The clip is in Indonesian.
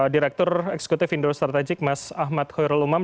direktur eksekutif indo strategik mas ahmad khairul umam